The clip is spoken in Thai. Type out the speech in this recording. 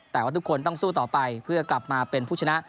แต่ว่าทุกคนต้องสู้ต่อไปเพื่อกลับมาเป็นผู้ชนะ